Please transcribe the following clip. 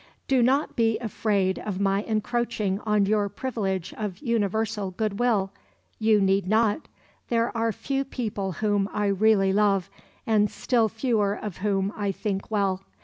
"Do not be afraid of my encroaching on your privilege of universal goodwill. You need not. There are few people whom I really love, and still fewer of whom I think well.